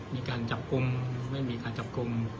มีการจับกลุ่มไม่มีการจับกลุ่ม